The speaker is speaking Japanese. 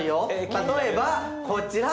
例えばこちら。